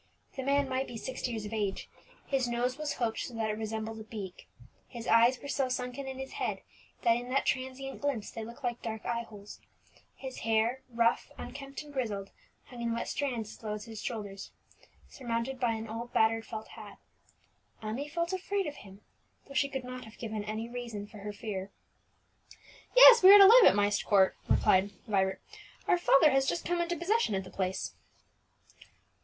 The man might be sixty years of age; his nose was hooked, so that it resembled a beak; his eyes were so sunken in his head that in that transient glimpse they looked like dark eye holes; his hair, rough, unkempt, and grizzled, hung in wet strands as low as his shoulders, surmounted by an old battered felt hat. Emmie felt afraid of him, though she could not have given any reason for her fear. "Yes, we are to live at Myst Court," replied Vibert. "Our father has just come into possession of the place."